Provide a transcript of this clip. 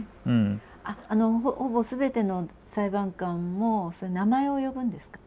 ほぼすべての裁判官も名前を呼ぶんですか？